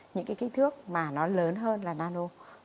những cái kích thước mà nó lớn hơn là nano